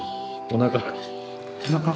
おなか？